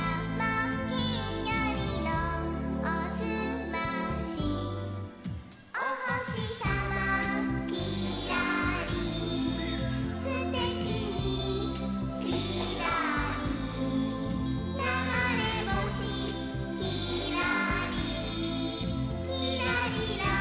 「ひんやりのおすまし」「お星さまきらり」「すてきにきらり」「ながれ星きらり」「きらりらきらりん」